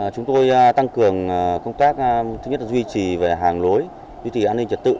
chúng tôi tăng cường công tác duy trì hàng lối duy trì an ninh trật tự